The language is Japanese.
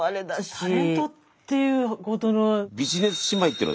タレントって言うほどの。